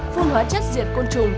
phun hóa chất diệt côn trùng